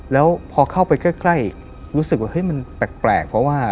แล้วพอเข้าไปใกล้อีกรู้สึกว่าเฮ้ยมันแปลก